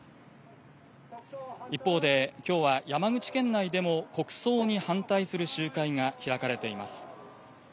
一方で、きょうは山口県内でも国葬に反対する集会が開かれています。